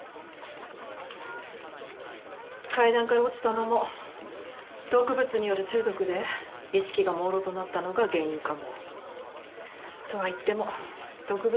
階段から落ちたのも毒物による中毒で意識が朦朧となったのが原因かも。とはいっても毒物は致死量に達してたから